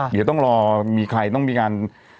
เดี๋ยวต้องรอมีใครต้องมีการ